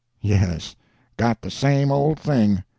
'Yes; got the same old thing.'